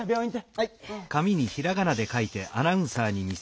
はい。